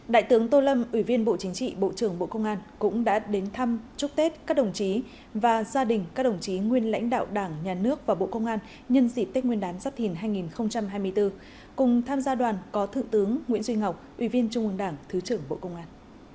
đại tướng tô lâm ủy viên bộ chính trị bộ trưởng bộ công an cũng đã đến thăm chúc tết các đồng chí và gia đình các đồng chí nguyên lãnh đạo đảng nhà nước và bộ công an nhân dịp tết nguyên đán giáp thìn hai nghìn hai mươi bốn cùng tham gia đoàn có thượng tướng nguyễn duy ngọc ủy viên trung ương đảng thứ trưởng bộ công an